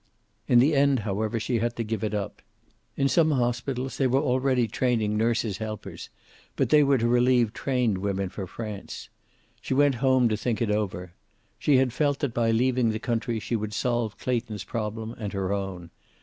In the end, however, she had to give it up. In some hospitals they were already training nurses helpers, but they were to relieve trained women for France. She went home to think it over. She had felt that by leaving the country she would solve Clayton's problem and her own.